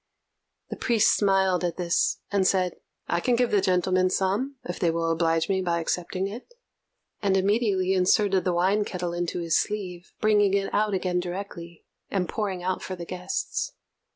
The priest smiled at this, and said, "I can give the gentlemen some, if they will oblige me by accepting it;" and immediately inserted the wine kettle in his sleeve, bringing it out again directly, and pouring out for the guests.